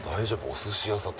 お寿司屋さん